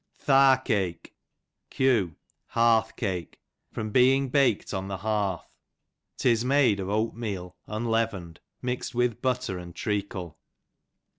'Tharcake, q. hearth cake, from being baked on the hearth. 'Tis made of oatmeal unleavened, mixed with butter and treacle.